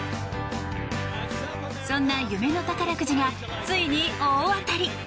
そんな夢の宝くじがついに大当たり！